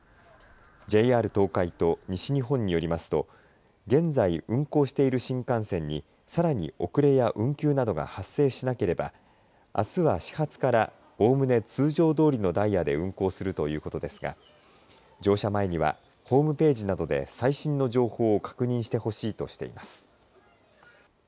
ＪＲ東海と西日本によりますと現在、運行している新幹線にさらに遅れや運休などが発生しなければあすは始発からおおむね通常どおりのダイヤで運行するということですが乗車前にはホームページなどで最新の情報を確認してほしいとしています。